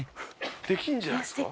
できんじゃないですか？